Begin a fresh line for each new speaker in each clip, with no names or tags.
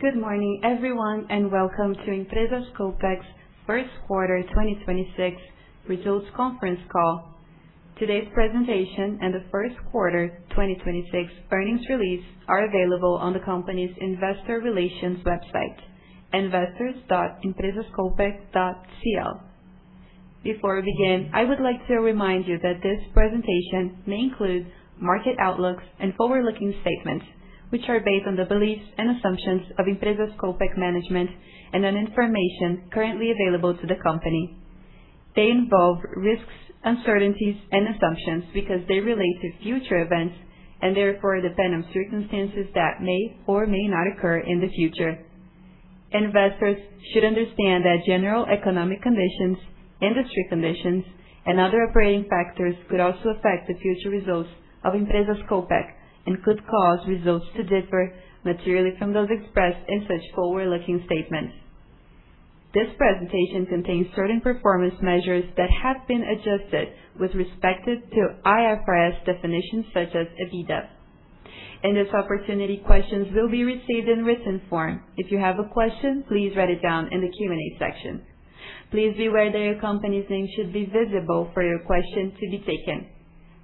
Good morning, everyone, and welcome to Empresas Copec's first quarter 2026 results conference call. Today's presentation and the first quarter 2026 earnings release are available on the company's investor relations website, investors.empresascopec.cl. Before we begin, I would like to remind you that this presentation may include market outlooks and forward-looking statements, which are based on the beliefs and assumptions of Empresas Copec management and on information currently available to the company. They involve risks, uncertainties and assumptions because they relate to future events and therefore depend on circumstances that may or may not occur in the future. Investors should understand that general economic conditions, industry conditions and other operating factors could also affect the future results of Empresas Copec and could cause results to differ materially from those expressed in such forward-looking statements. This presentation contains certain performance measures that have been adjusted with respect to IFRS definitions such as EBITDA. In this opportunity, questions will be received in written form. If you have a question, please write it down in the Q&A section. Please be aware that your company's name should be visible for your question to be taken.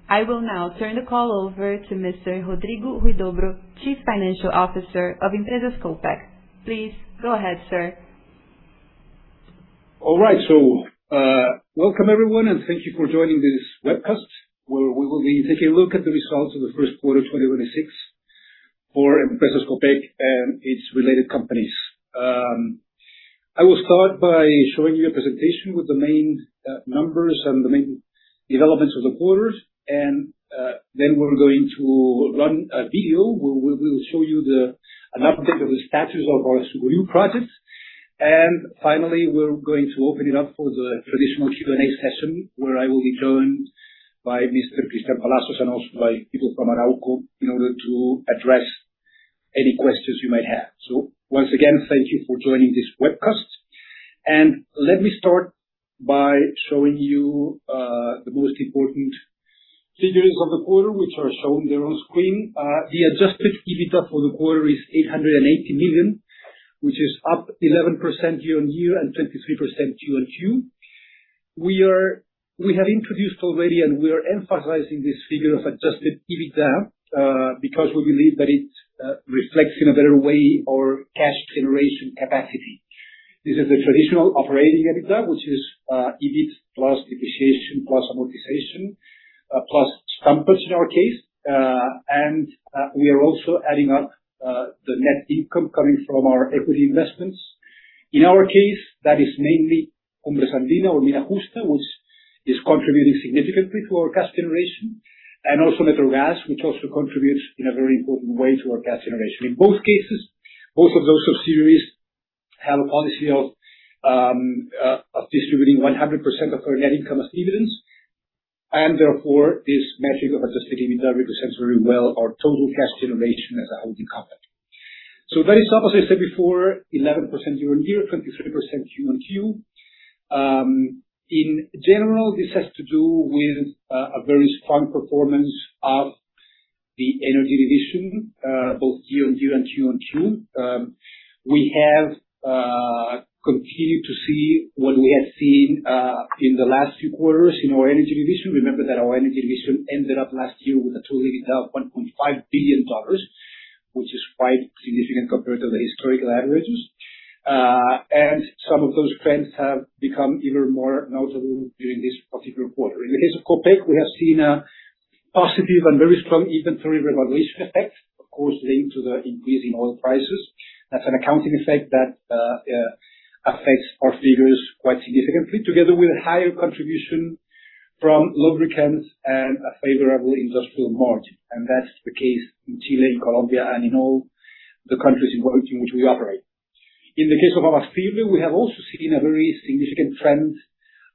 I will now turn the call over to Mr. Rodrigo Huidobro, Chief Financial Officer of Empresas Copec. Please go ahead, sir.
All right. Welcome everyone, and thank you for joining this webcast, where we will be taking a look at the results of the first quarter 2026 for Empresas Copec and its related companies. I will start by showing you a presentation with the main numbers and the main developments of the quarters. Then we're going to run a video where we will show you an update of the status of our Sucuriú project. Finally, we're going to open it up for the traditional Q&A session, where I will be joined by Mr. Cristián Palacios and also by people from Arauco in order to address any questions you might have. Once again, thank you for joining this webcast. Let me start by showing you the most important figures of the quarter, which are shown there on screen. The adjusted EBITDA for the quarter is $880 million, which is up 11% year-on-year and 23% Q-on-Q. We have introduced already, and we are emphasizing this figure of adjusted EBITDA, because we believe that it reflects in a better way our cash generation capacity. This is a traditional operating EBITDA, which is EBIT plus depreciation, plus amortization, plus stumpage in our case. We are also adding up the net income coming from our equity investments. In our case, that is mainly Cumbres Andinas or Mina Justa, which is contributing significantly to our cash generation, and also Metrogas, which also contributes in a very important way to our cash generation. In both cases, both of those subsidiaries have a policy of distributing 100% of their net income as dividends. Therefore, this metric of adjusted EBITDA represents very well our total cash generation as a holding company. Very strong, as I said before, 11% year-on-year, 23% Q-on-Q. In general, this has to do with a very strong performance of the energy division, both year-on-year and Q-on-Q. We have continued to see what we have seen in the last few quarters in our energy division. Remember that our energy division ended up last year with a total EBITDA of $1.5 billion, which is quite significant compared to the historical averages. Some of those trends have become even more noticeable during this particular quarter. In the case of Copec, we have seen a positive and very strong inventory revaluation effect, of course, linked to the increase in oil prices. That's an accounting effect that affects our figures quite significantly, together with higher contribution from lubricants and a favorable industrial margin. That's the case in Chile, in Colombia, and in all the countries in which we operate. In the case of Abastible, we have also seen a very significant trend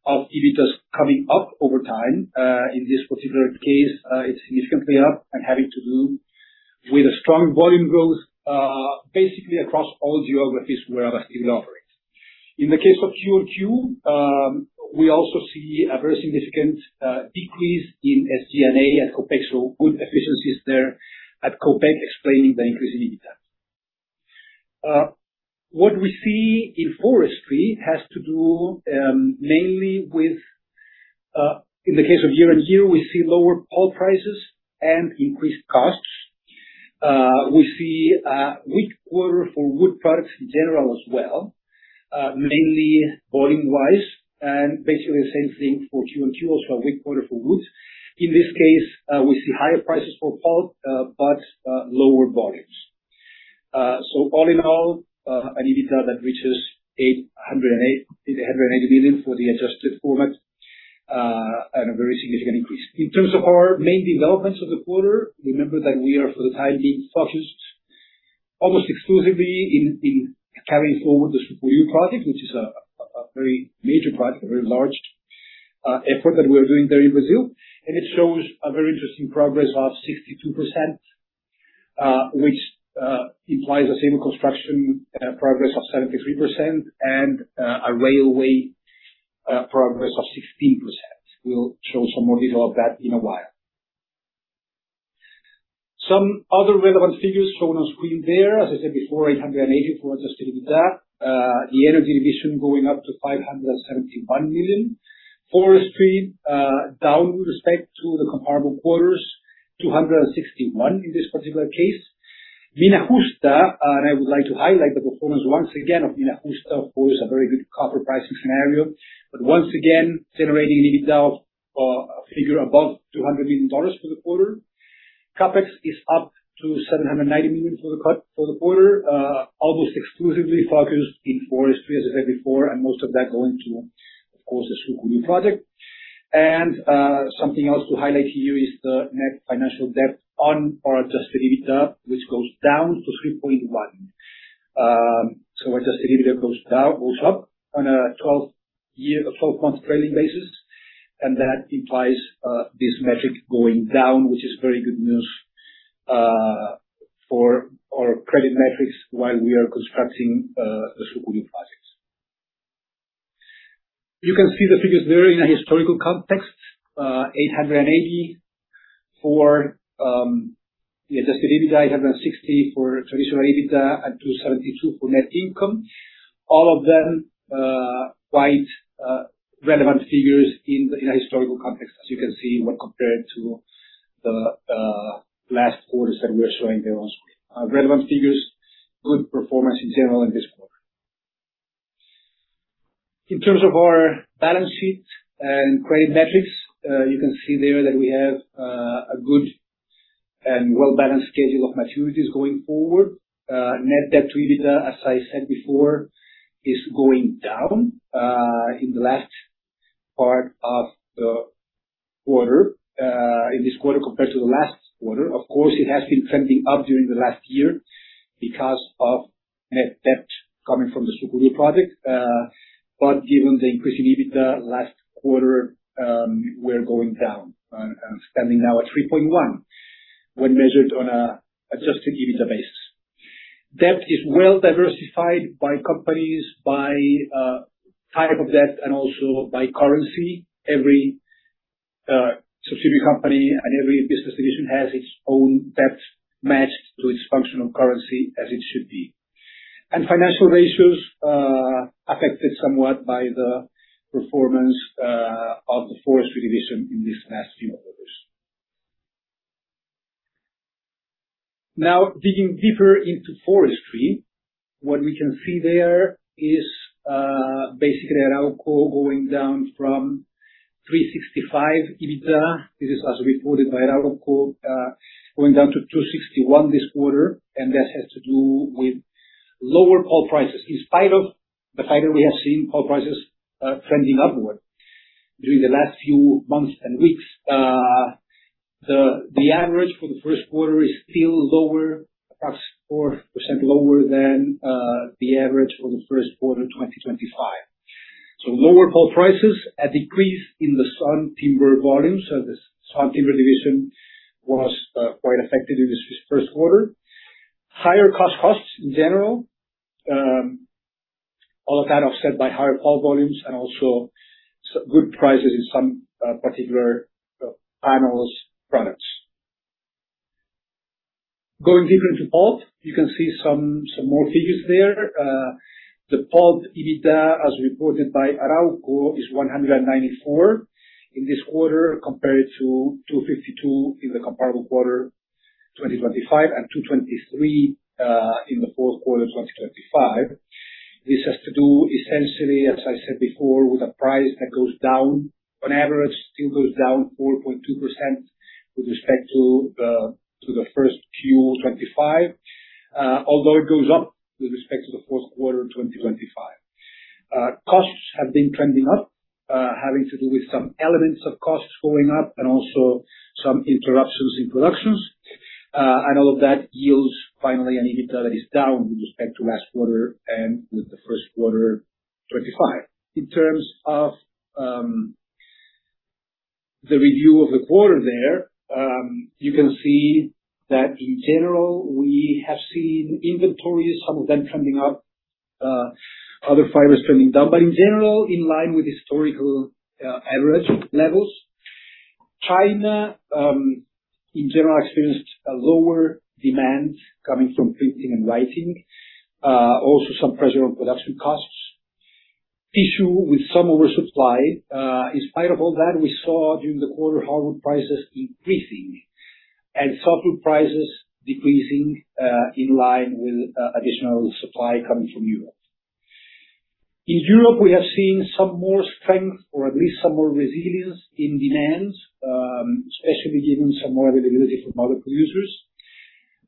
of EBITDAs coming up over time. In this particular case, it's significantly up and having to do with a strong volume growth, basically across all geographies where Abastible operates. In the case of Q-on-Q, we also see a very significant decrease in SG&A at Copec. Good efficiencies there at Copec explaining the increase in EBITDA. What we see in forestry has to do mainly with, in the case of year-on-year, we see lower pulp prices and increased costs. We see a weak quarter for wood products in general as well, mainly volume-wise, and basically the same thing for Q-on-Q, also a weak quarter for wood. In this case, we see higher prices for pulp, but lower volumes. All in all, an EBITDA that reaches $880 million for the adjusted format, and a very significant increase. In terms of our main developments of the quarter, remember that we are for the time being focused almost exclusively in carrying forward the Sucuriú project, which is a very major project, a very large effort that we are doing there in Brazil. It shows a very interesting progress of 62%, which implies a civil construction progress of 73% and a railway progress of 16%. We'll show some more detail of that in a while. Some other relevant figures shown on screen there. As I said before, $884 adjusted EBITDA. The energy division going up to $571 million. Forestry, down with respect to the comparable quarters, $261 in this particular case. Mina Justa, and I would like to highlight the performance once again of Mina Justa, of course, a very good copper pricing scenario. Once again, generating an EBITDA of a figure above $200 million for the quarter. CapEx is up to $790 million for the quarter, almost exclusively focused in forestry, as I said before, and most of that going to, of course, the Sucuriú project. Something else to highlight here is the net financial debt on our adjusted EBITDA, which goes down to 3.1. Adjusted EBITDA goes down, goes up on a 12-month trailing basis, and that implies this metric going down, which is very good news for our credit metrics while we are constructing the Sucuriú project. You can see the figures there in a historical context. $880 for the adjusted EBITDA, $860 for traditional EBITDA, and $272 for net income. All of them, quite relevant figures in a historical context, as you can see when compared to the last quarters that we are showing there on screen. Relevant figures, good performance in general in this quarter. In terms of our balance sheet and credit metrics, you can see there that we have a good and well-balanced schedule of maturities going forward. Net debt to EBITDA, as I said before, is going down in the last part of the quarter, in this quarter compared to the last quarter. Of course, it has been trending up during the last year because of net debt coming from the Sucuriú project. But given the increasing EBITDA last quarter, we're going down on, standing now at 3.1 when measured on an adjusted EBITDA basis. Debt is well diversified by companies, by type of debt, and also by currency. Every subsidiary company and every business division has its own debt matched to its functional currency, as it should be. Financial ratios, affected somewhat by the performance of the forestry division in these last few quarters. Now, digging deeper into forestry, what we can see there is basically Arauco going down from $365 EBITDA. This is as reported by Arauco, going down to $261 this quarter, and that has to do with lower pulp prices. In spite of the fact that we have seen pulp prices trending upward during the last few months and weeks. The average for the first quarter is still lower, perhaps 4% lower than the average for the first quarter 2025. Lower pulp prices, a decrease in the sawn timber volume, the sawn timber division was quite affected in this first quarter. Higher costs in general. All that offset by higher pulp volumes and also good prices in some particular panels products. Going deeper into pulp, you can see some more figures there. The pulp EBITDA, as reported by Arauco, is $194 in this quarter, compared to $252 in the comparable quarter 2025 and $223 in the fourth quarter 2025. This has to do essentially, as I said before, with a price that goes down on average, still goes down 4.2% with respect to the 1st Q 2025, although it goes up with respect to the fourth quarter 2025. Costs have been trending up, having to do with some elements of costs going up and also some interruptions in productions. All of that yields finally an EBITDA that is down with respect to last quarter and with the first quarter 2025. In terms of the review of the quarter there, you can see that in general, we have seen inventories, some of them trending up, other fibers trending down, but in general, in line with historical average levels. China, in general, experienced a lower demand coming from printing and writing. Also some pressure on production costs. Tissue with some oversupply. In spite of all that, we saw during the quarter hardwood prices increasing and softwood prices decreasing, in line with additional supply coming from Europe. In Europe, we have seen some more strength or at least some more resilience in demand, especially given some more availability from other producers,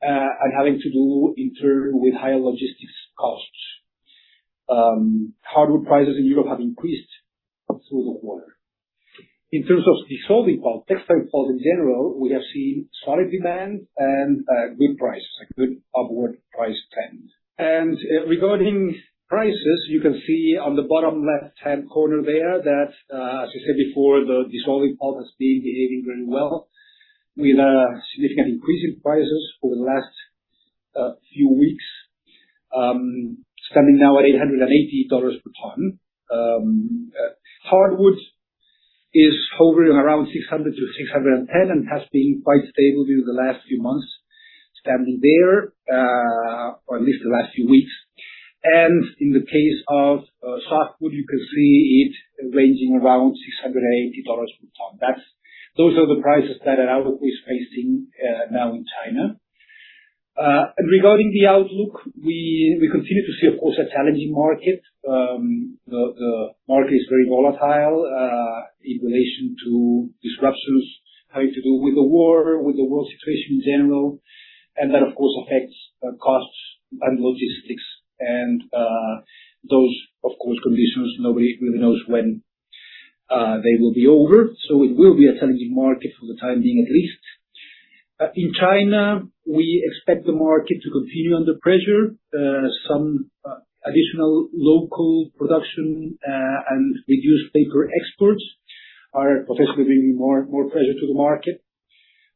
and having to do in turn with higher logistics costs. Hardwood prices in Europe have increased through the quarter. In terms of dissolving pulp, textile pulp in general, we have seen solid demand and good prices, a good upward price trend. Regarding prices, you can see on the bottom left-hand corner there that, as I said before, the dissolving pulp has been behaving really well with significant increase in prices over the last few weeks. Standing now at $880 per ton. Hardwoods is hovering around $600-$610, and has been quite stable during the last few months standing there, or at least the last few weeks. In the case of softwood, you can see it ranging around $680 per ton. Those are the prices that Arauco is facing now in China. Regarding the outlook, we continue to see, of course, a challenging market. The market is very volatile in relation to disruptions having to do with the war, with the world situation in general. That, of course, affects costs and logistics and, those, of course, conditions nobody really knows when they will be over. It will be a challenging market for the time being, at least. In China, we expect the market to continue under pressure. Some additional local production and reduced paper exports are potentially bringing more pressure to the market.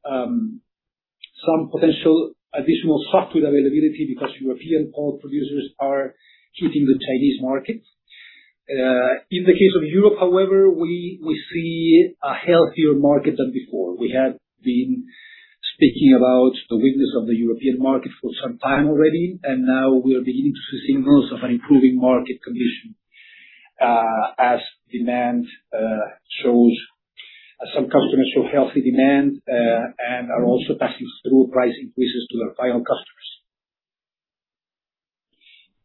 Some potential additional softwood availability because European pulp producers are hitting the Chinese market. In the case of Europe, however, we see a healthier market than before. We had been speaking about the weakness of the European market for some time already, and now we are beginning to see signals of an improving market condition, as some customers show healthy demand and are also passing through price increases to their final customers.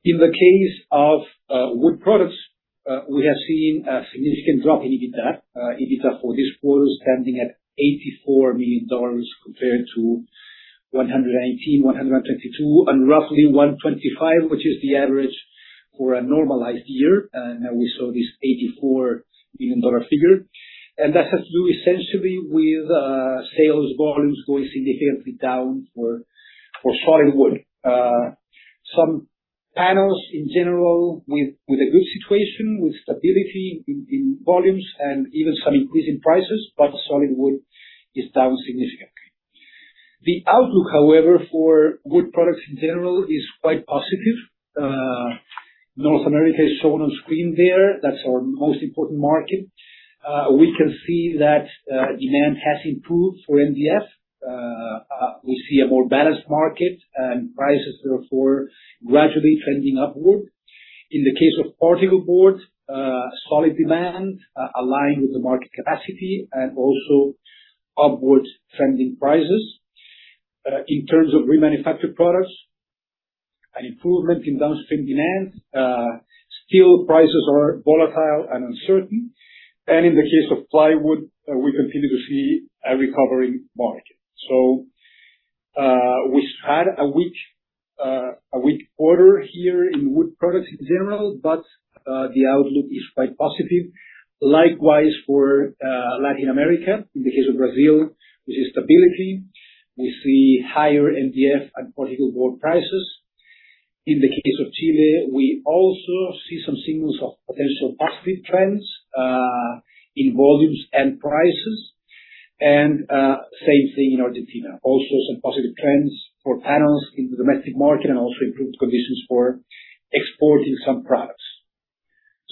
In the case of wood products, we have seen a significant drop in EBITDA. EBITDA for this quarter standing at $84 million compared to $118, $122, and roughly $125, which is the average for a normalized year. Now we saw this $84 million figure. That has to do essentially with sales volumes going significantly down for solid wood. Some panels in general with a good situation, with stability in volumes and even some increase in prices, but solid wood is down significantly. The outlook, however, for wood products in general is quite positive. North America is shown on screen there. That's our most important market. We can see that demand has improved for MDF. We see a more balanced market and prices therefore gradually trending upward. In the case of particleboard, solid demand, aligned with the market capacity and also upward trending prices. In terms of remanufactured products, an improvement in downstream demand. Still prices are volatile and uncertain. In the case of plywood, we continue to see a recovering market. We've had a weak, a weak quarter here in wood products in general, but the outlook is quite positive. Likewise for Latin America. In the case of Brazil, we see stability. We see higher MDF and particleboard prices. In the case of Chile, we also see some signals of potential positive trends, in volumes and prices. Same thing in Argentina. Also some positive trends for panels in the domestic market and also improved conditions for exporting some products.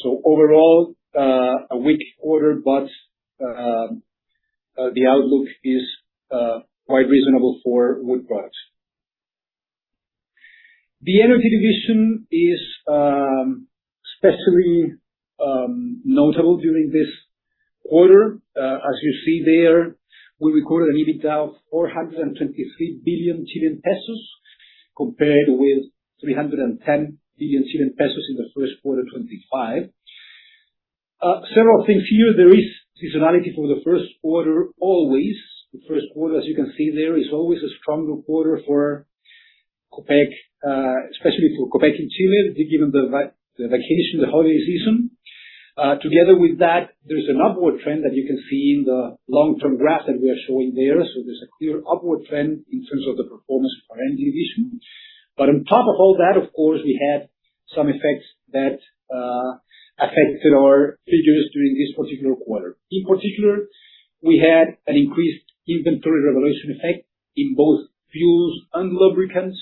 Overall, a weak quarter, but the outlook is quite reasonable for wood products. The energy division is especially notable during this quarter. As you see there, we recorded an EBITDA of 423 billion Chilean pesos, compared with 310 billion Chilean pesos in the first quarter 2025. Several things here. There is seasonality for the first quarter always. The first quarter, as you can see there, is always a stronger quarter for Copec, especially for Copec in Chile, given the vacation, the holiday season. Together with that, there is an upward trend that you can see in the long-term graph that we are showing there. There is a clear upward trend in terms of the performance of our energy division. On top of all that, of course, we had some effects that affected our figures during this particular quarter. In particular, we had an increased inventory revaluation effect in both fuels and lubricants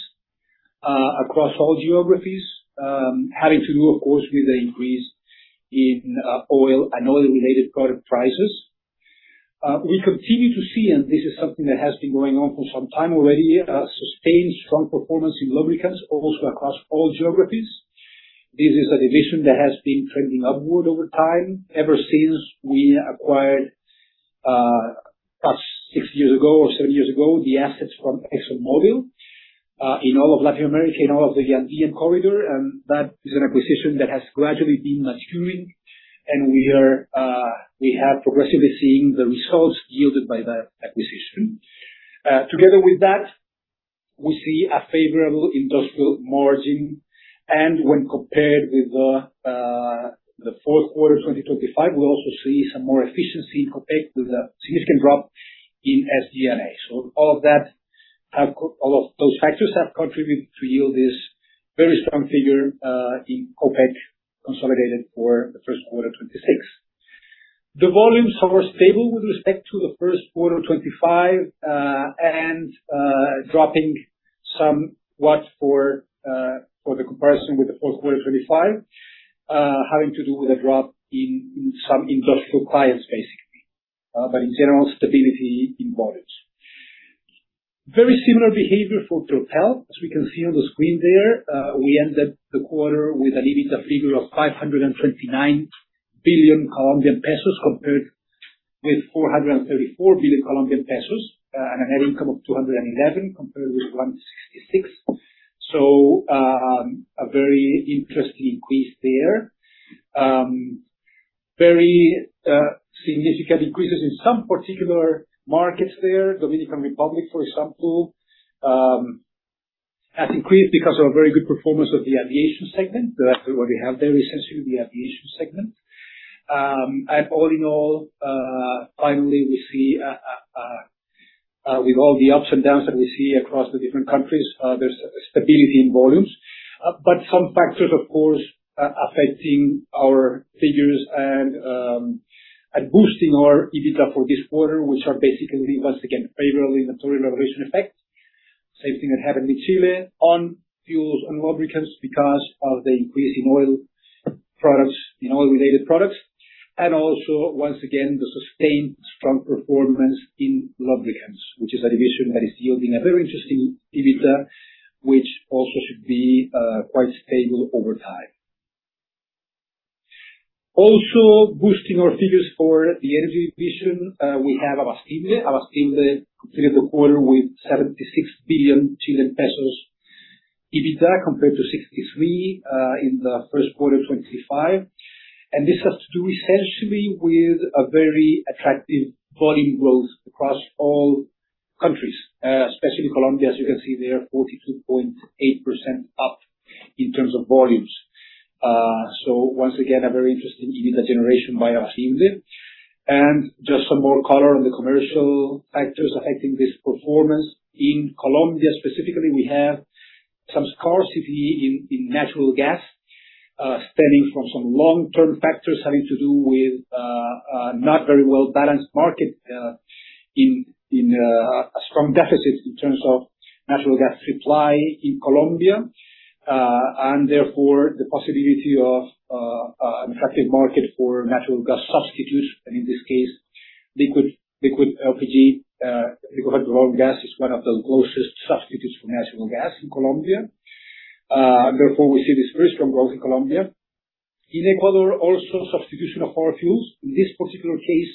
across all geographies. Having to do, of course, with the increase in oil and oil-related product prices. We continue to see, and this is something that has been going on for some time already, a sustained strong performance in lubricants, also across all geographies. This is a division that has been trending upward over time, ever since we acquired, perhaps six years ago or seven years ago, the assets from ExxonMobil in all of Latin America, in all of the Andean corridor. That is an acquisition that has gradually been maturing, and we are, we have progressively seeing the results yielded by that acquisition. Together with that, we see a favorable industrial margin. When compared with the fourth quarter 2025, we also see some more efficiency in Copec with a significant drop in SG&A. All of those factors have contributed to yield this very strong figure in Copec consolidated for the first quarter 2026. The volumes are stable with respect to the first quarter 2025, and dropping somewhat for the comparison with the fourth quarter 2025, having to do with a drop in some industrial clients, basically. In general, stability in volumes. Very similar behavior for Terpel. As we can see on the screen there, we ended the quarter with an EBITDA figure of COP 529 billion, compared with COP 434 billion. A net income of $211, compared with $166. A very interesting increase there. Very significant increases in some particular markets there. Dominican Republic, for example, has increased because of a very good performance of the aviation segment that we already have there, essentially, the aviation segment. All in all, finally, we see, with all the ups and downs that we see across the different countries, there's stability in volumes. Some factors, of course, affecting our figures and boosting our EBITDA for this quarter, which are basically, once again, favorable inventory revaluation effect. Same thing that happened in Chile on fuels and lubricants because of the increase in oil products, in oil-related products, and also, once again, the sustained strong performance in lubricants, which is a division that is yielding a very interesting EBITDA, which also should be quite stable over time. Boosting our figures for the energy division, we have Abastible. Abastible completed the quarter with 76 billion Chilean pesos EBITDA compared to 63 billion in the first quarter 2025. This has to do essentially with a very attractive volume growth across all countries, especially in Colombia. As you can see there, 42.8% up in terms of volumes. Once again, a very interesting EBITDA generation by Abastible. Just some more color on the commercial factors affecting this performance. In Colombia specifically, we have some scarcity in natural gas, stemming from some long-term factors having to do with a not very well-balanced market, a strong deficit in terms of natural gas supply in Colombia. Therefore, the possibility of an attractive market for natural gas substitutes, and in this case, liquid LPG, liquid petroleum gas is one of the closest substitutes for natural gas in Colombia. Therefore, we see this very strong growth in Colombia. In Ecuador, also substitution of biofuels, in this particular case,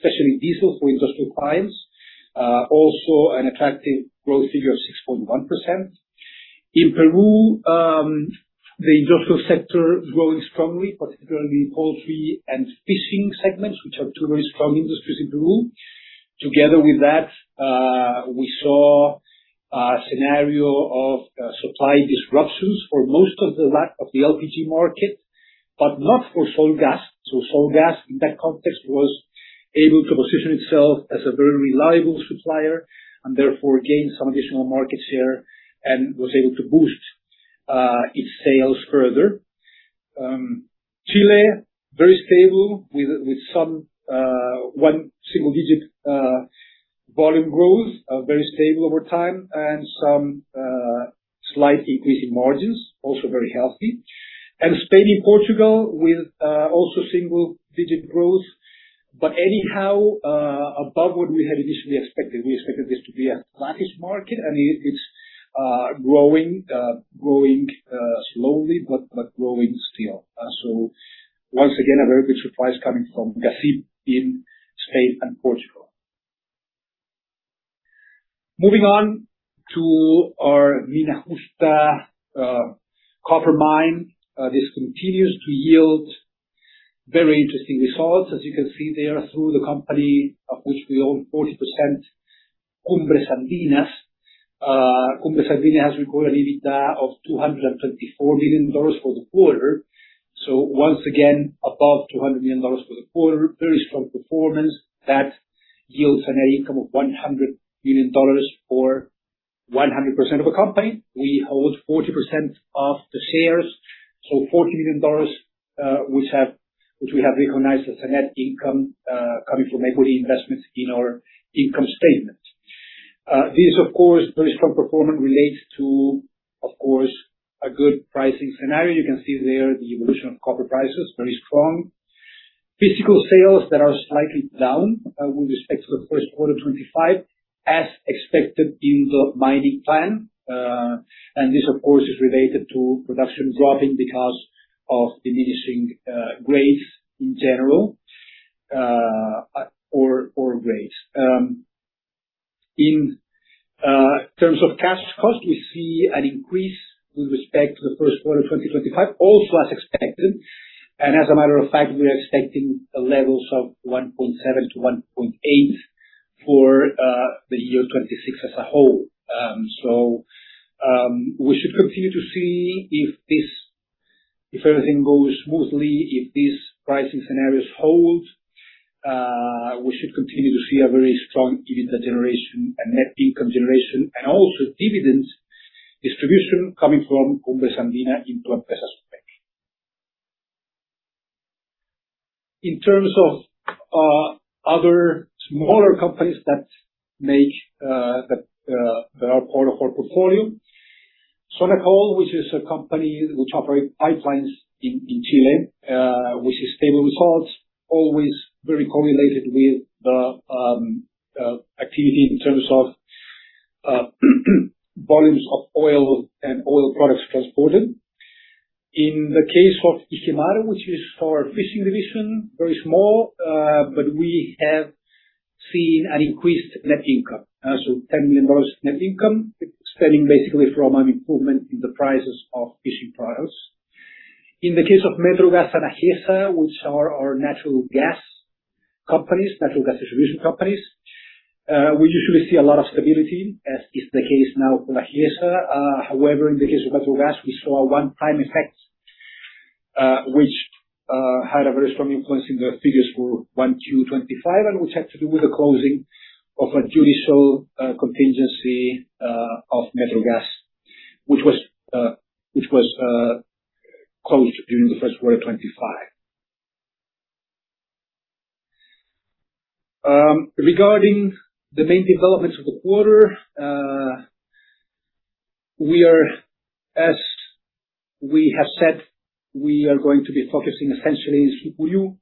especially diesel for industrial clients. Also an attractive growth figure of 6.1%. In Peru, the industrial sector is growing strongly, particularly in poultry and fishing segments, which are two very strong industries in Peru. Together with that, we saw a scenario of supply disruptions for most of the LPG market, but not for Solgas. Solgas, in that context, was able to position itself as a very reliable supplier, and therefore gained some additional market share and was able to boost its sales further. Chile, very stable with some one single-digit volume growth, very stable over time and some slight increase in margins, also very healthy. Spain and Portugal with also single-digit growth, but anyhow, above what we had initially expected. We expected this to be a flattish market and it's growing. Growing slowly, but growing still. Once again, a very good surprise coming from Disa in Spain and Portugal. Moving on to our Mina Justa copper mine. This continues to yield very interesting results, as you can see there, through the company of which we own 40%, Cumbres Andinas. Cumbres Andinas has recorded EBITDA of $224 million for the quarter. Once again, above $200 million for the quarter. Very strong performance. That yields a net income of $100 million for 100% of the company. We hold 40% of the shares, so $40 million, which we have recognized as a net income, coming from equity investments in our income statement. This, of course, very strong performance relates to a good pricing scenario. You can see there the evolution of copper prices, very strong. Physical sales that are slightly down with respect to the first quarter 2025, as expected in the mining plan. This, of course, is related to production dropping because of diminishing grades in general, or grades. In terms of cash cost, we see an increase with respect to the first quarter 2025, also as expected. As a matter of fact, we are expecting levels of 1.7-1.8 for the year 2026 as a whole. So, we should continue to see if everything goes smoothly, if these pricing scenarios hold, we should continue to see a very strong EBITDA generation and net income generation, and also dividends distribution coming from Cumbres Andinas into Empresas Copec. In terms of other smaller companies that are part of our portfolio. Sonacol, which is a company which operate pipelines in Chile, which is stable results, always very correlated with the activity in terms of volumes of oil and oil products transported. In the case of Igemar, which is for fishing division, very small, but we have seen an increased net income. So $10 million of net income, stemming basically from an improvement in the prices of fishing products. In the case of Metrogas and Agesa, which are our natural gas companies, natural gas distribution companies, we usually see a lot of stability, as is the case now for Agesa. However, in the case of Metrogas, we saw a one-time effect, which had a very strong influence in the figures for 1Q 2025, and which had to do with the closing of a judicial contingency of Metrogas, which was closed during the first quarter of 2025. Regarding the main developments of the quarter, as we have said, we are going to be focusing essentially in Sucuriú.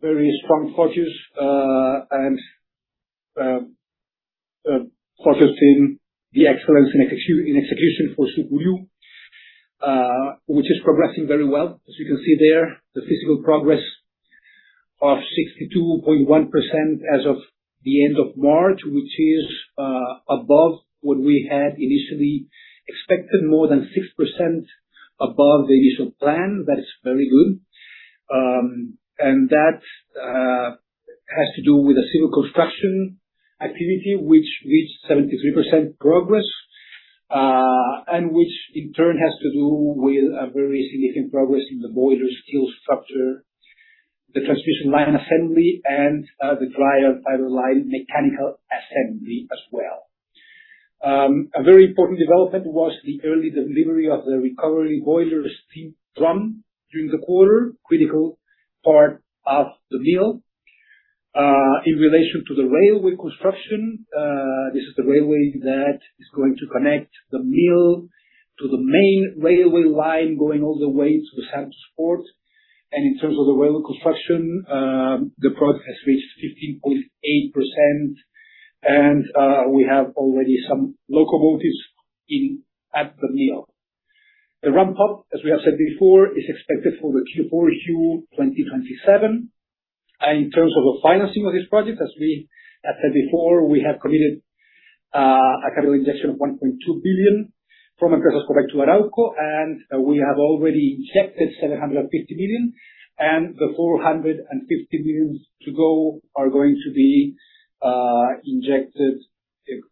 Very strong focus, and focusing the excellence in execution for Sucuriú, which is progressing very well. As you can see there, the physical progress of 62.1% as of the end of March, which is above what we had initially expected more than 6% above the initial plan. That is very good. That has to do with the civil construction activity, which reached 73% progress, which in turn has to do with a very significant progress in the boiler steel structure, the transmission line assembly, and the dryer fiber line mechanical assembly as well. A very important development was the early delivery of the recovery boiler steam drum during the quarter, critical part of the mill. In relation to the railway construction, this is the railway that is going to connect the mill to the main railway line, going all the way to the Santos Port. In terms of the railway construction, the project has reached 15.8% and we have already some locomotives at the mill. The ramp up, as we have said before, is expected for the Q4 2027. In terms of the financing of this project, as we have said before, we have committed a capital injection of $1.2 billion from Empresas Copec to Arauco, and we have already injected $750 million, and the $450 million to go are going to be injected,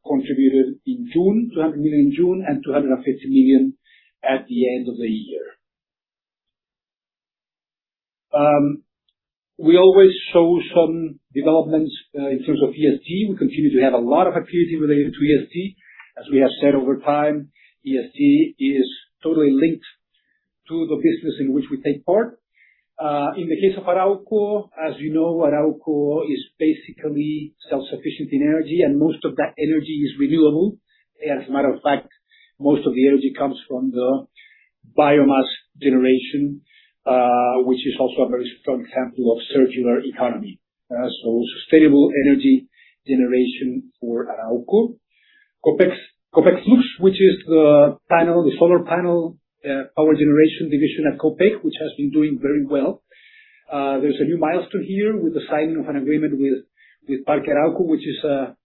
contributed in June. $200 million in June and $250 million at the end of the year. We always show some developments in terms of ESG. We continue to have a lot of activity related to ESG. As we have said over time, ESG is totally linked to the business in which we take part. In the case of Arauco, as you know, Arauco is basically self-sufficient in energy, and most of that energy is renewable. As a matter of fact, most of the energy comes from the biomass generation, which is also a very strong example of circular economy. Sustainable energy generation for Arauco. Copec Flux, the solar panel, power generation division at Copec, which has been doing very well. There's a new milestone here with the signing of an agreement with Parque Arauco, which is a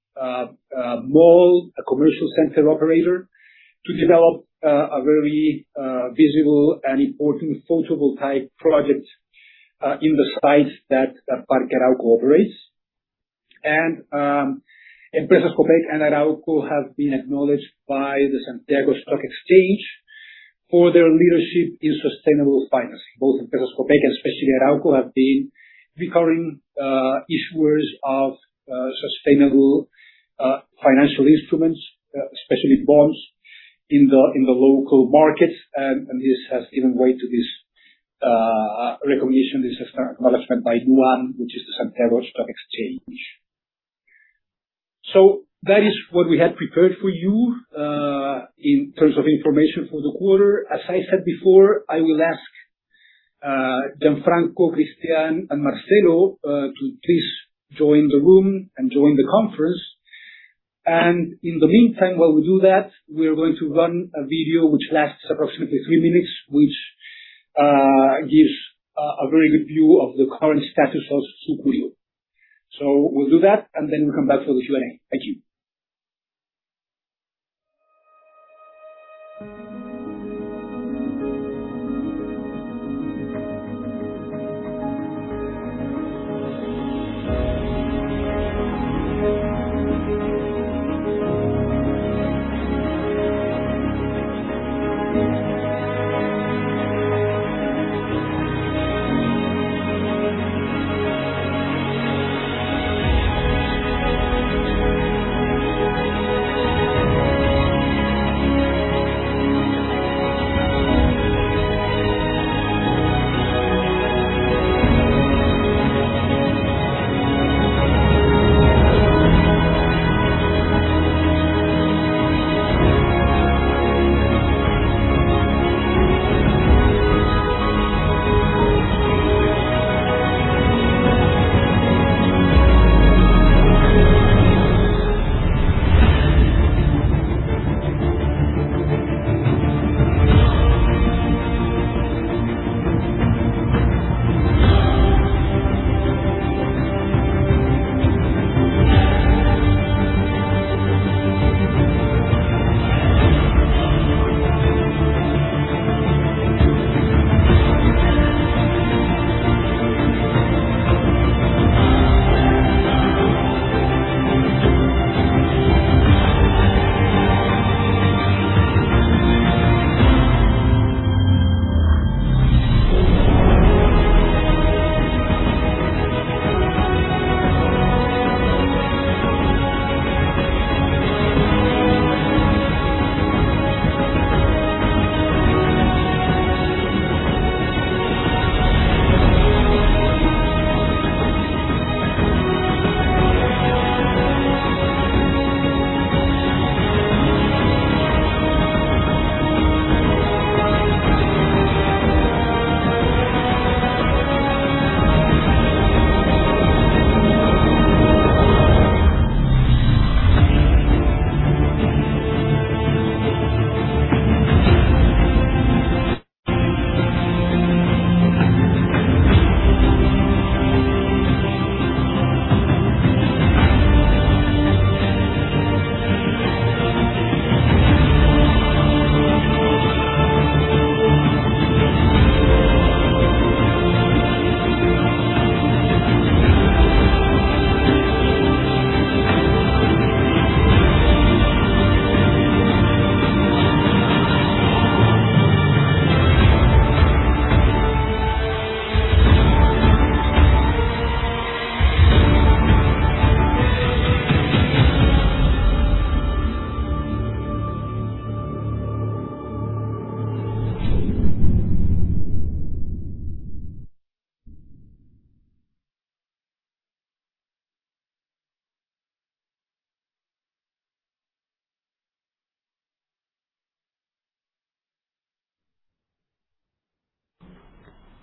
mall, a commercial center operator, to develop a very visible and important photovoltaic project in the sites that Parque Arauco operates. Empresas Copec and Arauco have been acknowledged by the Santiago Stock Exchange for their leadership in sustainable finance. Both Empresas Copec and especially Arauco have been recurring issuers of sustainable financial instruments, especially bonds in the local markets. This has given way to this recognition, this acknowledgement by nuam, which is the Santiago Stock Exchange. That is what we had prepared for you in terms of information for the quarter. As I said before, I will ask Gianfranco, Cristián, and Marcelo to please join the room and join the conference. In the meantime, while we do that, we are going to run a video which lasts approximately three minutes, which gives a very good view of the current status of Sucuriú. We'll do that, and then we'll come back for the Q&A. Thank you.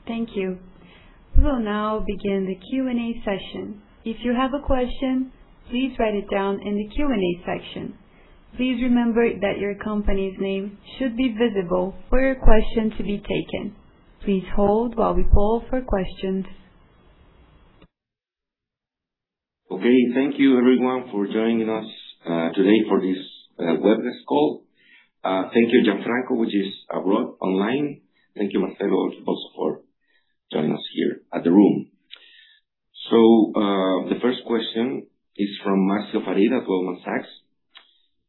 Thank you. We will now begin the Q&A session. If you have a question, please write it down in the Q&A section. Please remember that your company's name should be visible for your question to be taken. Please hold while we poll for questions.
Okay. Thank you everyone for joining us today for this webinar call. Thank you Gianfranco, which is abroad online. Thank you Marcelo also for joining us here at the room. The first question is from Marcio Farid at Goldman Sachs.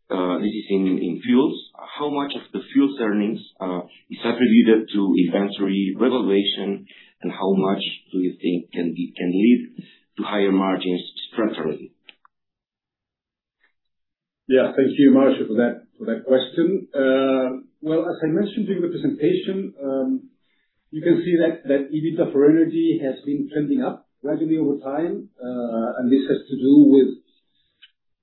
This is in fuels. How much of the fuels earnings is attributed to inventory revaluation, and how much do you think can lead to higher margins structurally?
Yeah. Thank you, Marcio, for that, for that question. Well, as I mentioned during the presentation, you can see that EBITDA for energy has been trending up gradually over time. This has to do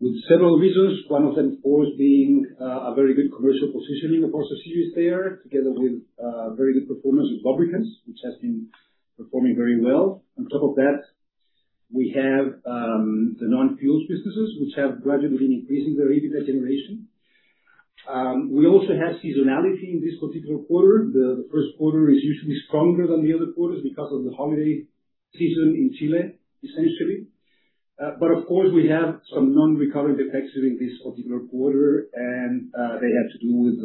with several reasons. One of them, of course, being a very good commercial positioning of our CCUS there, together with very good performance with lubricants, which has been performing very well. On top of that, we have the non-fuels businesses, which have gradually been increasing their EBITDA generation. We also have seasonality in this particular quarter. The first quarter is usually stronger than the other quarters because of the holiday season in Chile, essentially. Of course, we have some non-recurring effects during this particular quarter. They have to do with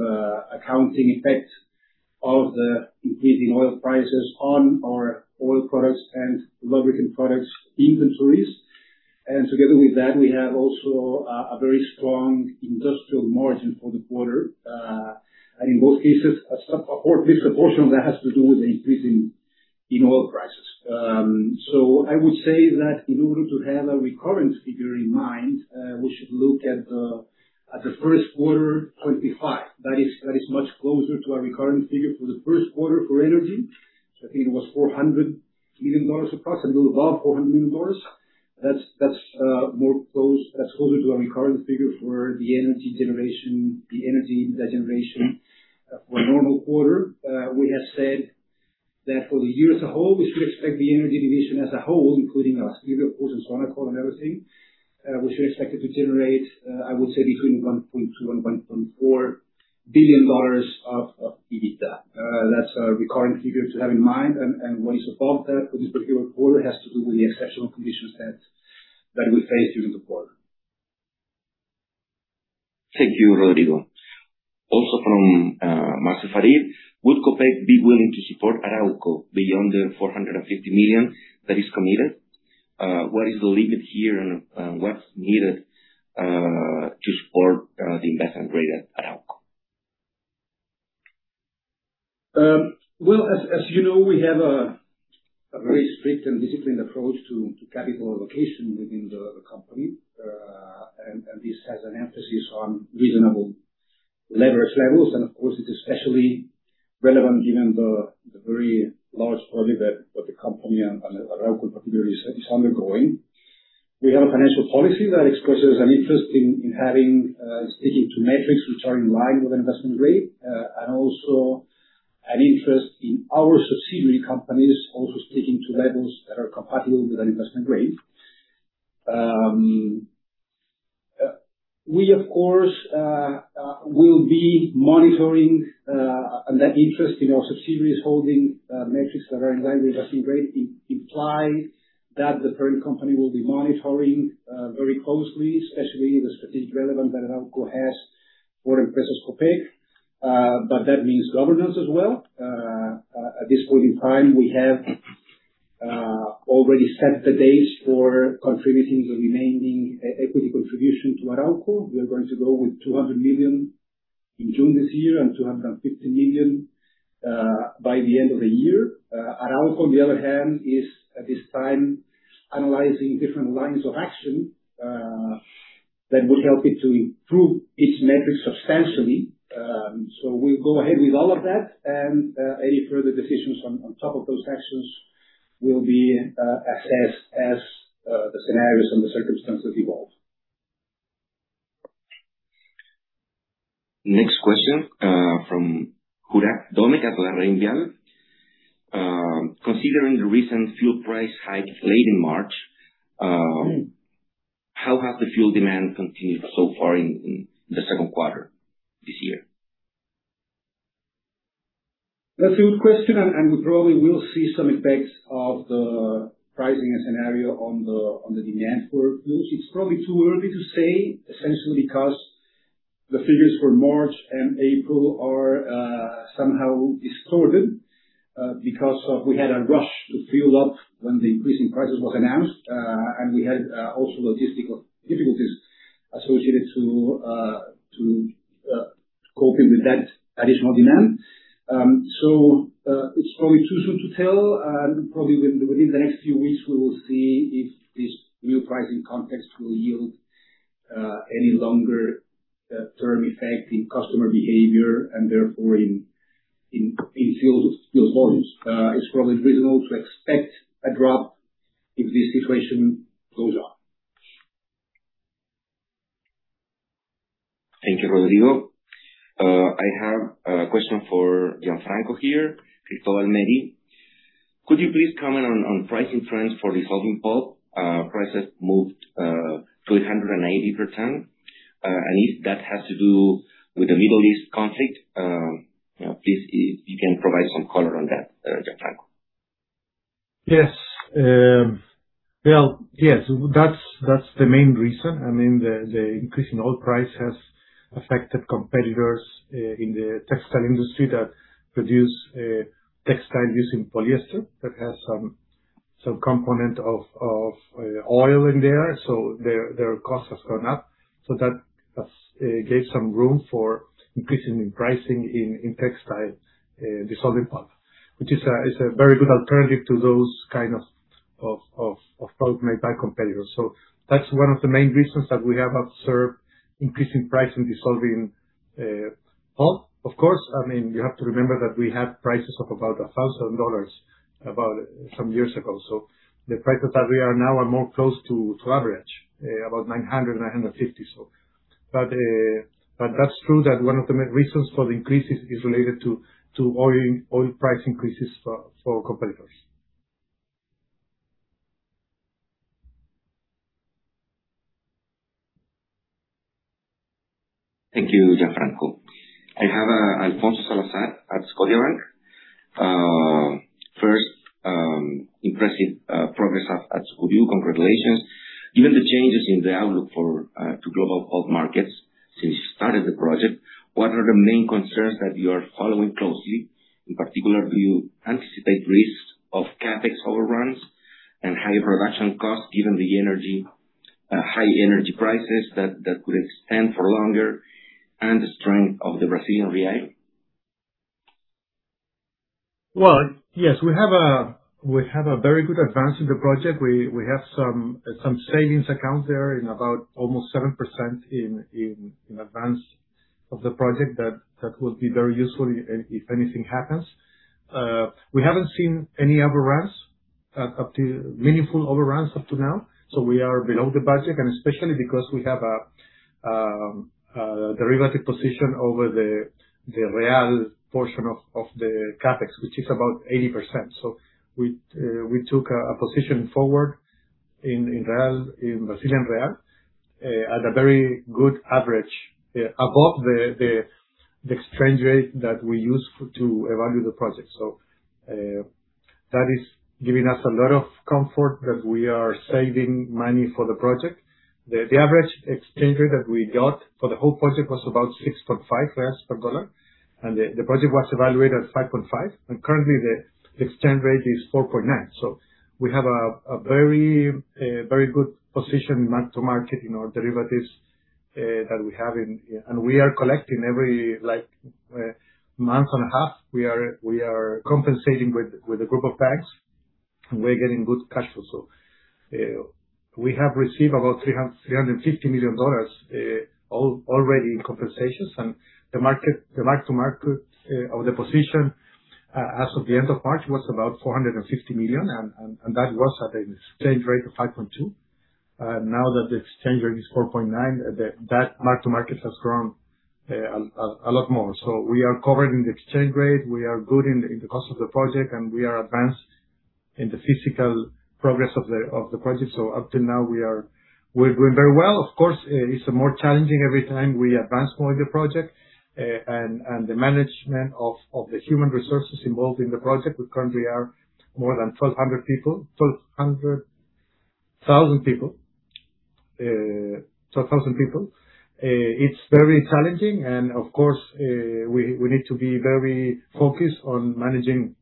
accounting effects of the increasing oil prices on our oil products and lubricant products inventories. Together with that, we have also a very strong industrial margin for the quarter. In both cases, a portion of that has to do with the increase in oil prices. I would say that in order to have a recurring figure in mind, we should look at the first quarter 2025. That is much closer to our recurring figure for the first quarter for energy. I think it was approximately $400 million, above $400 million. That's closer to our recurring figure for the energy generation for a normal quarter. We have said that for the year as a whole, we should expect the energy division as a whole, including Abastible, of course, and Sonacol and everything, we should expect it to generate, I would say between $1.2 billion and $1.4 billion of EBITDA. That's a recurring figure to have in mind. What is involved with this particular quarter has to do with the exceptional conditions that we faced during the quarter.
Thank you, Rodrigo. From Marcio Farid. Would Copec be willing to support Arauco beyond the $450 million that is committed? What is the limit here and what's needed to support the investment grade at Arauco?
Well, as you know, we have a very strict and disciplined approach to capital allocation within the company. This has an emphasis on reasonable leverage levels. Of course, it's especially relevant given the very large project that the company and Arauco particularly is undergoing. We have a financial policy that expresses an interest in having sticking to metrics which are in line with investment grade and also an interest in our subsidiary companies also sticking to levels that are compatible with an investment grade. We of course will be monitoring that interest in our subsidiaries holding metrics that are in line with investment grade imply that the parent company will be monitoring very closely, especially the strategic relevance that Arauco has for Empresas Copec. That means governance as well. At this point in time, we have already set the dates for contributing the remaining e-equity contribution to Arauco. We are going to go with $200 million in June this year and $250 million by the end of the year. Arauco on the other hand, is at this time analyzing different lines of action that would help it to improve its metrics substantially. We'll go ahead with all of that and any further decisions on top of those actions will be assessed as the scenarios and the circumstances evolve.
Next question, from Juraj Domic from LarrainVial. Considering the recent fuel price hike late in March, how has the fuel demand continued so far in the second quarter this year?
That's a good question, and we probably will see some effects of the pricing scenario on the demand for fuels. It's probably too early to say, essentially, because the figures for March and April are somehow distorted because of we had a rush to fuel up when the increase in prices was announced. We had also logistical difficulties associated to coping with that additional demand. It's probably too soon to tell. Probably within the next few weeks, we will see if this new pricing context will yield any longer term effect in customer behavior and therefore in fuel volumes. It's probably reasonable to expect a drop if this situation goes on.
Thank you, Rodrigo. I have a question for Gianfranco here, Cristóbal Medina. Could you please comment on pricing trends for dissolving pulp? Prices moved to 180%. If that has to do with the Middle East conflict, you know, please if you can provide some color on that, Gianfranco?
Yes. Well, yes, that's the main reason. I mean, the increase in oil price has affected competitors in the textile industry that produce textile using polyester that has some component of oil in there. Their cost has gone up. That has gave some room for increasing in pricing in textile dissolving pulp, which is a very good alternative to those kind of pulp made by competitors. That's one of the main reasons that we have observed increasing price in dissolving pulp. Of course, I mean, you have to remember that we had prices of about $1,000 about some years ago. The prices that we are now are more close to average about $900-$950. That's true that one of the main reasons for the increases is related to oil price increases for competitors.
Thank you, Gianfranco. I have Alfonso Salazar at Scotiabank. First, impressive progress at Sucuriú. Congratulations. Given the changes in the outlook for global pulp markets since you started the project, what are the main concerns that you are following closely? In particular, do you anticipate risks of CapEx overruns and higher production costs, given the high energy prices that could extend for longer and the strength of the Brazilian real?
Well, yes, we have a very good advance in the project. We have some savings accounts there in about almost 7% in advance of the project that will be very useful if anything happens. We haven't seen any overruns, Meaningful overruns up to now. We are below the budget, and especially because we have a derivative position over the real portion of the CapEx, which is about 80%. We took a position forward in real, in Brazilian Reais, at a very good average, above the exchange rate that we use to evaluate the project. That is giving us a lot of comfort that we are saving money for the project. The average exchange rate that we got for the whole project was about BRL 6.5 per dollar, and the project was evaluated at 5.5 per dollar, and currently the exchange rate is 4.9 per dollar. We have a very good position mark to market in our derivatives. We are collecting every, like, month and a half. We are compensating with a group of banks, and we're getting good cash flow. We have received about $350 million already in compensations. The mark to market of the position as of the end of March was about $450 million. That was at an exchange rate of 5.2 per dollar. Now that the exchange rate is 4.9 per dollar, that mark to market has grown a lot more. We are covering the exchange rate, we are good in the cost of the project, and we are advanced in the physical progress of the project. Up to now, we're doing very well. Of course, it's more challenging every time we advance more in the project. The management of the human resources involved in the project. We currently are more than 1,200 people. It's very challenging. Of course, we need to be very focused on managing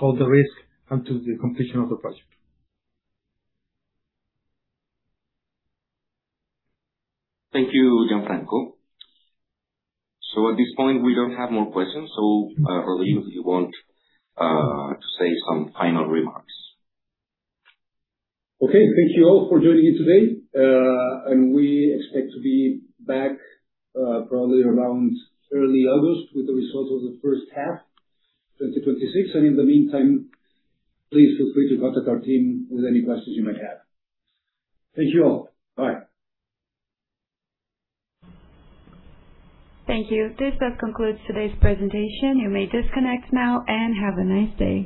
all the risks until the completion of the project.
Thank you, Gianfranco. At this point, we don't have more questions. Rodrigo, if you want to say some final remarks.
Okay. Thank you all for joining in today. We expect to be back, probably around early August with the results of the first half 2026. In the meantime, please feel free to contact our team with any questions you might have. Thank you all. Bye.
Thank you. This does conclude today's presentation. You may disconnect now, and have a nice day.